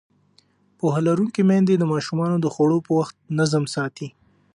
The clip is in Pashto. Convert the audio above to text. پوهه لرونکې میندې د ماشومانو د خوړو پر وخت نظم ساتي.